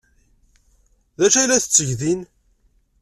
D acu ay la tetteg din?